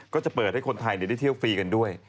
ก็จะเปิดให้คนไทยได้เที่ยวฟรีกันด้วย